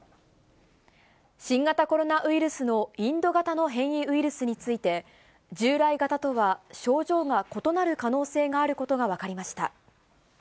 新型コロナウイルスのインド型の変異ウイルスについて、従来型とは症状が異なる可能性があることが分かりました。